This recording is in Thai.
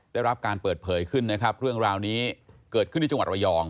ได้รับการเปิดเผยขึ้นนะครับเรื่องราวนี้เกิดขึ้นที่จังหวัดระยอง